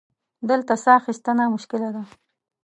دلته سا اخیستنه مشکله ده.